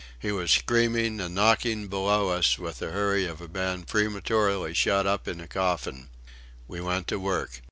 He was screaming and knocking below us with the hurry of a man prematurely shut up in a coffin. We went to work.